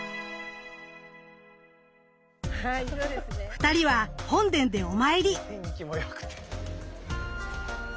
２人は本殿でお参り。